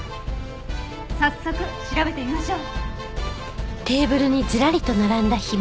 早速調べてみましょう。